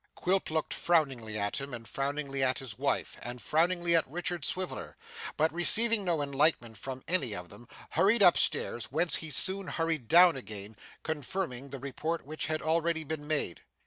Quilp looked frowningly at him, and frowningly at his wife, and frowningly at Richard Swiveller; but, receiving no enlightenment from any of them, hurried up stairs, whence he soon hurried down again, confirming the report which had already been made.